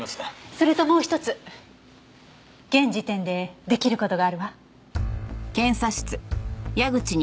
それともう１つ現時点で出来る事があるわ。